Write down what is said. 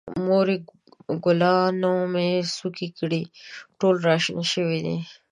مورې، ګلانو مې څوکې کړي، ټول را شنه شوي دي.